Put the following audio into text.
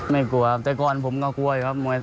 ไม่กลัวครับแต่ก่อนผมก็กลัวอยู่ครับ